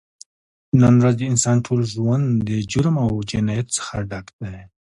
نن ورځ د انسان ټول ژون د جرم او جنایت څخه ډک دی